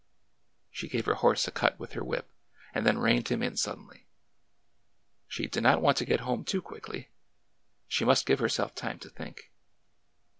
She gave her horse a cut with her whip and then reined him in suddenly. She did not want to get home too quickly. She must give herself time to think.